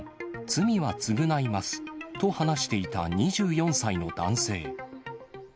罪は償いますと話していた２４歳の男性。